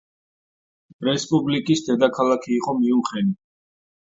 რესპუბლიკის დედაქალაქი იყო მიუნხენი.